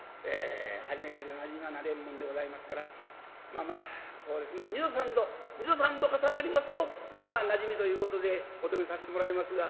初めてでなじみはなれんもんでございますからまあまあそうですな二度三度二度三度重なりますとまあなじみということでお泊めさせてもらいますが」。